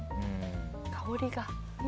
香りが。